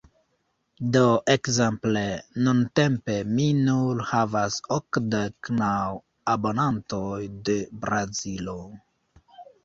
Do ekzemple nuntempe mi nur havas okdek naŭ abonantoj de Brazilo.